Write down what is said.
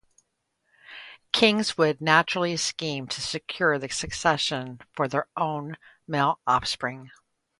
Kings would naturally scheme to secure the succession for their own male offspring.